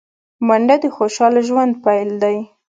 منډه د خوشال ژوند پيل دی